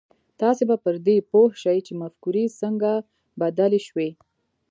تاسې به پر دې پوه شئ چې مفکورې څنګه بدلې شوې.